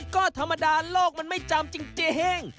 ก็ธรรมดาโลกมันไม่จำจริง